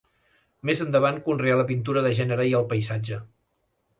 Més endavant conreà la pintura de gènere i el paisatge.